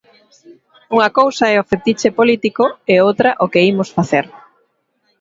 Unha cousa é o fetiche político e outra o que imos facer.